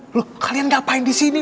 loh kalian ngapain di sini